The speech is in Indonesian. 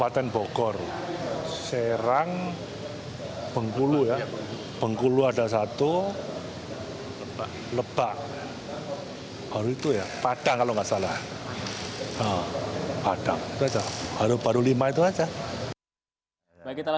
dengan sesuatu yang ada di daerah itu